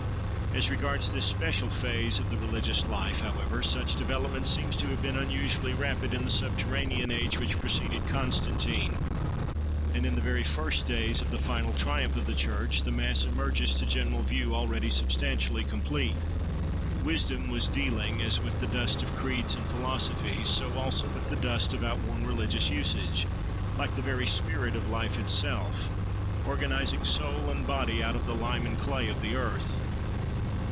As regards this special phase of the religious life, however, such development seems to have been unusually rapid in the subterranean age which preceded Constantine; and in the very first days of the final triumph of the church the Mass emerges to general view already substantially complete. "Wisdom" was dealing, as with the dust of creeds and philosophies, so also with the dust of outworn religious usage, like the very spirit of life itself, organising soul and body out of the lime and clay of the earth.